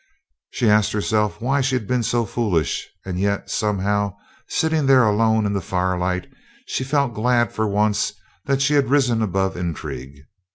She asked herself why she had been so foolish; and yet, somehow, sitting there alone in the firelight, she felt glad for once that she had risen above intrigue.